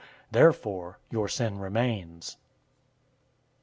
Therefore your sin remains.